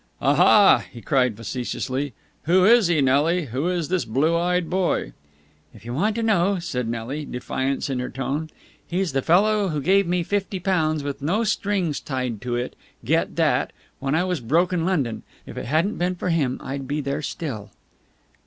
"Aha!" he cried facetiously. "Who is he, Nelly? Who is this blue eyed boy?" "If you want to know," said Nelly, defiance in her tone, "he's the fellow who gave me fifty pounds, with no strings tied to it get that! when I was broke in London! If it hadn't been for him, I'd be there still."